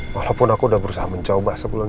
walaupun aku udah berusaha mencoba sebelum